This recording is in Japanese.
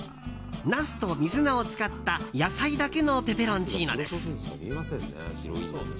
ナスと水菜を使った野菜だけのペペロンチーノです。